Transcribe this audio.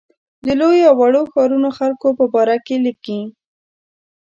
د لویو او وړو ښارونو خلکو په باره کې لیکي.